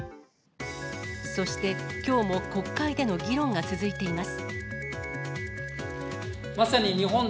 そして、きょうも国会での議論が続いています。